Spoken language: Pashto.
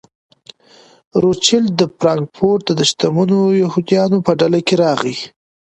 روچیلډ د فرانکفورټ د شتمنو یهودیانو په ډله کې راغی.